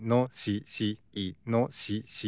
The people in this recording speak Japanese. いのしし。